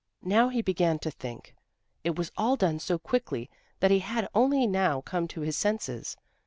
Now he began to think. It was all done so quickly that he had only now come to his senses.